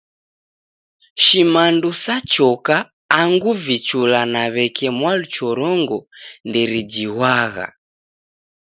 Shimandu sa choka angu vichula na w'eke mwaluchorongo nderijighwagha.